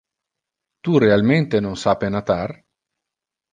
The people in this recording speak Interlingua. Tu realmente non sape natar?